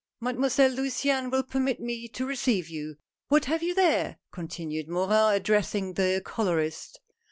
Mademoiselle Luciane will permit me to receive you. What have you there?" continued Morin, addressing " the colorist."